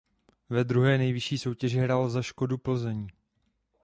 Ve druhé nejvyšší soutěži hrál za Škodu Plzeň.